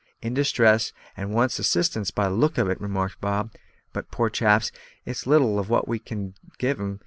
"In distress and wants assistance, by the look of it," remarked Bob. "But, poor chaps, it's little of that we can give 'em.